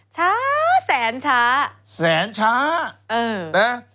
ช้าแสนช้าแสนช้านะ